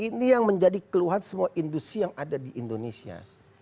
ini yang menjadi keluhan semua industri yang ada di indonesia